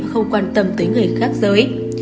không quan tâm tới người khác giới